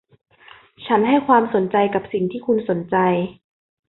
ฉันให้ความสนใจกับสิ่งที่คุณสนใจ